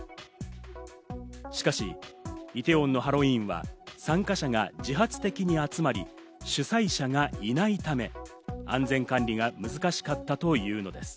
しかし、イテウォンのハロウィーンは参加者が自発的に集まり、主催者がいないため、安全管理が難しかったというのです。